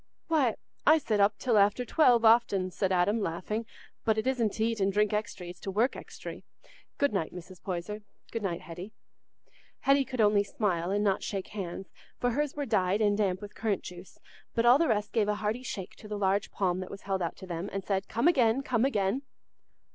"Why, I sit up till after twelve often," said Adam, laughing, "but it isn't t' eat and drink extry, it's to work extry. Good night, Mrs. Poyser; good night, Hetty." Hetty could only smile and not shake hands, for hers were dyed and damp with currant juice; but all the rest gave a hearty shake to the large palm that was held out to them, and said, "Come again, come again!"